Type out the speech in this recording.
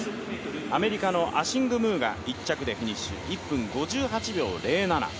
アメリカのアシング・ムーが１着でフィニッシュ、１分５８秒０７。